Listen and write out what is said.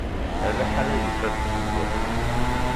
Alaḥal ad ifakk useggas.